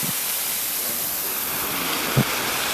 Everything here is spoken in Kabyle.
Iga-d umuɣ.